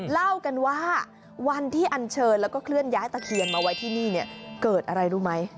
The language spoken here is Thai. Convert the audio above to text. เล่ากันว่าวันที่อันเชิญแล้วก็เคลื่อนย้ายตะเคียนมาไว้ที่นี่เนี่ยเกิดอะไรรู้ไหม